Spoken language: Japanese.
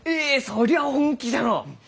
そりゃあ本気じゃのう！